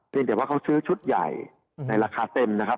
แต่ว่าเขาซื้อชุดใหญ่ในราคาเต็มนะครับ